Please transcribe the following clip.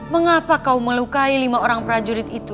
mengapa kau melukai lima orang prajurit itu